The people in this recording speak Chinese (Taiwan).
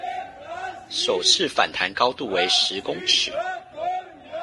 首次反彈高度為十公尺